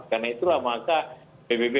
karena itulah maka pbb